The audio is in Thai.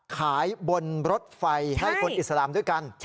ขายบนรถไฟให้คนอิสลามด้วยกัน